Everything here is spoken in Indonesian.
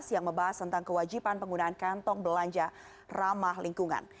yang membahas tentang kewajiban penggunaan kantong belanja ramah lingkungan